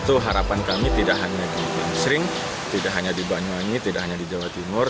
itu harapan kami tidak hanya di paling sering tidak hanya di banyuwangi tidak hanya di jawa timur